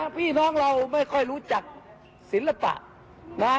พี่น้องเราไม่ค่อยรู้จักศิลปะนะ